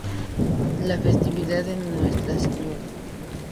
La Festividad de Nuestra Sra.